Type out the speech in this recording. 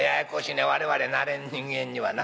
我々慣れん人間にはな。